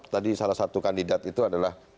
tadi salah satu kandidat itu adalah